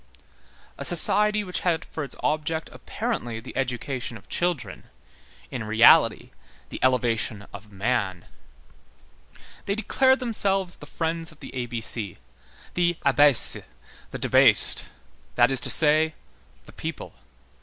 A society which had for its object apparently the education of children, in reality the elevation of man. They declared themselves the Friends of the A B C,—the Abaissé,—the debased,—that is to say, the people.